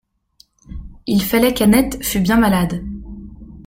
Il fallait qu'Annette fut bien malade.